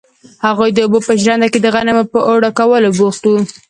هغوی د اوبو په ژرنده کې د غنمو په اوړه کولو بوخت وو.